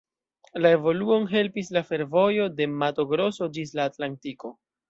La evoluon helpis la fervojo de Mato Grosso ĝis la Atlantiko.